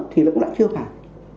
thì nó cũng lại chưa phải